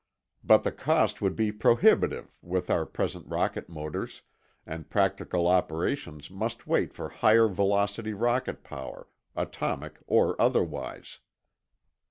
But the cost would be prohibitive, with our present rocket motors, and practical operations must wait for higher velocity rocket power, atomic or otherwise.